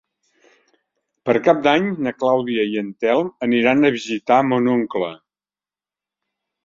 Per Cap d'Any na Clàudia i en Telm aniran a visitar mon oncle.